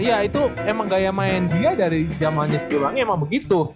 ya itu emang gaya main dia dari jamannya siliwangi emang begitu